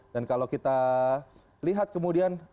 dan kalau kita lihat kemudian